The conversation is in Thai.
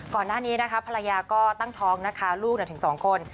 ก่อนหน้านี้นะคะภรรยาก็ตั้งท้องนะคะลูกถึง๒คน